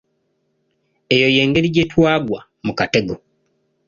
Eyo y'engeri gye twagwa mu katego.